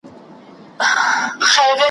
تر ماښامه پوري لویه هنگامه سوه .